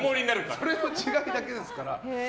それの違いだけですから。